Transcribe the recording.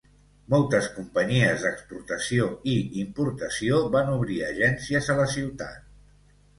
Moltes companyies d'exportació i importació van obrir agències a la ciutat.